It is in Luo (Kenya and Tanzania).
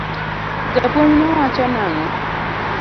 Japuonj no wacho nang'o?